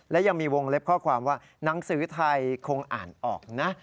และยังมีวงเล็บข้อความว่าหนังสือไทยคงอ่านออกนะ